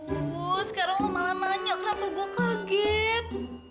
aduh sekarang lo malah nanya kenapa gue kaget